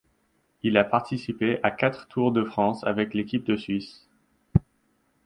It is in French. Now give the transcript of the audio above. Il a participé à quatre Tours de France avec l'équipe de Suisse.